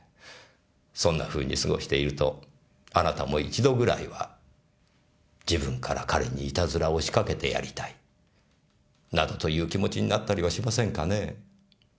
そんなふうに過ごしているとあなたも一度ぐらいは自分から彼に悪戯をしかけてやりたいなどという気持ちになったりはしませんかね？